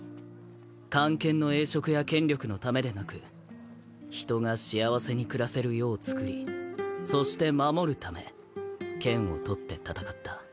官憲の栄職や権力のためでなく人が幸せに暮らせる世をつくりそして守るため剣をとって戦った。